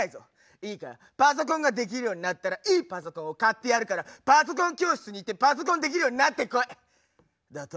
いいかパソコンができるようになったらいいパソコンを買ってやるからパソコン教室に行ってパソコンできるようになってこい」だと。